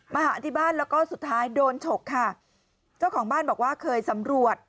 หาที่บ้านแล้วก็สุดท้ายโดนฉกค่ะเจ้าของบ้านบอกว่าเคยสำรวจ